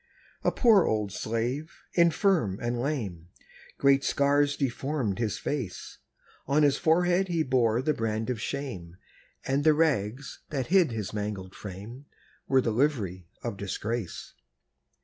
A poor old slave, infirm and lame; Great scars deformed his face; On his forehead he bore the brand of shame, And the rags, that hid his mangled frame, Were the livery of disgrace.